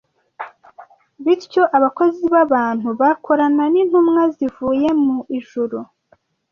Bityo, abakozi b’abantu bakorana n’intumwa zivuye mu ijuru,